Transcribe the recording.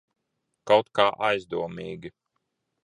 Kaut kā aizdomīgi.